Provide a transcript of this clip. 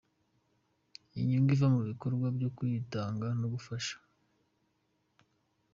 Inyungu iva mu bikorwa byo kwitanga no gufasha .